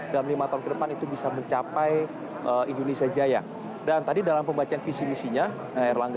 dalam lima tahun ke depan itu bisa mencapai indonesia jaya dan tadi dalam pembacaan visi misinya erlangga